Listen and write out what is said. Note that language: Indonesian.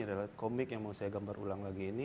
adalah komik yang mau saya gambar ulang lagi ini